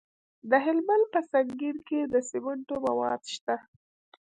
د هلمند په سنګین کې د سمنټو مواد شته.